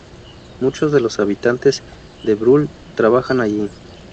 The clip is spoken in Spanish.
Muchos de los habitantes de Brühl trabajan allí.